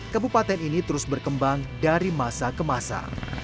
kabupaten ini terus berkembang dari masa ke masa